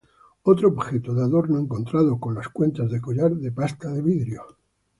Otro objeto de adorno encontrado son las cuentas de collar de pasta de vidrio.